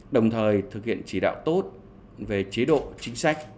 đồng thời thực hiện chỉ đạo tốt về chế độ chính sách